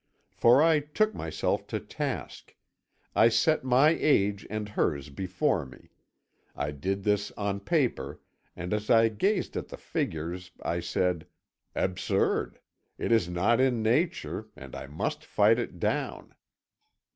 For I took myself to task; I set my age and hers before me; I did this on paper, and as I gazed at the figures I said. Absurd; it is not in nature, and I must fight it down.'